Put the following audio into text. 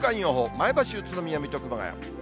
前橋、宇都宮、水戸、熊谷。